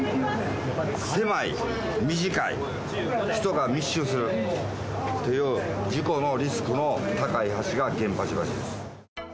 狭い、短い、人が密集するという事故のリスクの高い橋が源八橋です。